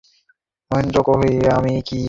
মহেন্দ্র কহিল, আমি কি এতই অপদার্থ।